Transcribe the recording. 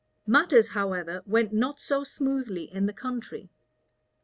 Matters, however, went not so smoothly in the country.